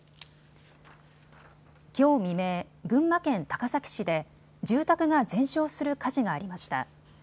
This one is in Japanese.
きょう未明、群馬県高崎市で住宅が全焼する火事がありました。